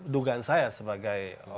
dugaan saya sebagai